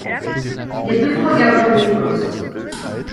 Il est deux fois Gardien de l'Écosse.